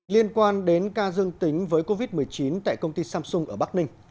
liên quan đến ca dương tính với covid một mươi chín tại công ty samsung ở bắc ninh